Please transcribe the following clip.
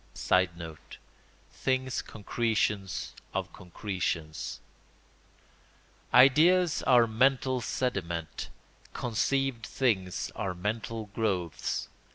[Sidenote: Things concretions of concretions.] Ideas are mental sediment; conceived things are mental growths.